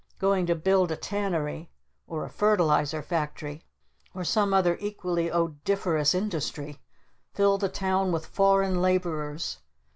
Going to build a Tannery! Or a Fertilizer Factory! Or some other equally odoriferous industry! Fill the town with foreign laborers!